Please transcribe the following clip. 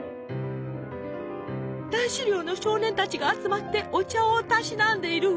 男子寮の少年たちが集まってお茶をたしなんでいるわ。